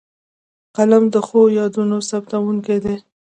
قلم د ښو یادونو ثبتوونکی دی